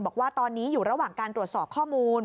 บอกว่าตอนนี้อยู่ระหว่างการตรวจสอบข้อมูล